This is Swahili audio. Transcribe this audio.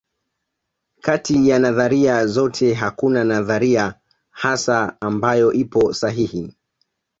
Kati ya nadharia zote hakuna nadharia hasa ambayo ipo sahihi